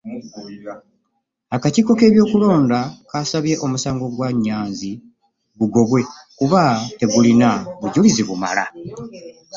Akakiiko k'ebyokulonda kasabye omusango gwa Nnyanzi gugobwe kuba tegulina bujulizi bumala.